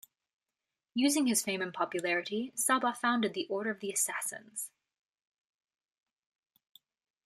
Using his fame and popularity, Sabbah founded the Order of the Assassins.